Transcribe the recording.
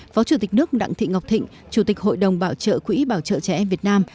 phó chủ tịch nước đặng thị ngọc thịnh chủ tịch hội đồng bảo trợ quỹ bảo trợ trẻ em việt nam